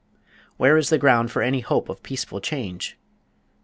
Where is there ground for any hope of peaceful change?